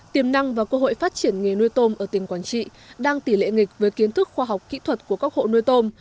tiềm năng và cơ hội phát triển nghề nuôi tôm ở tỉnh quảng trị đang tỷ lệ nghịch với kiến thức khoa học kỹ thuật của các hộ nuôi tôm